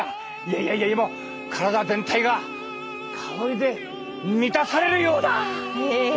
いやいや体全体が香りで満たされるようだ！え？